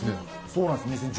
そうなんです。